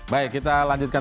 baik kita lanjutkan